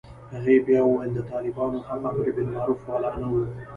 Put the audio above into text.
هغې بيا وويل د طالبانو هغه امربالمعروف والا نه و.